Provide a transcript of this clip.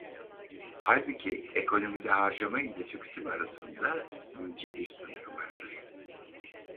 Hâlbuki ekonomide harcama ile tüketim arasında ince bir sınır vardır.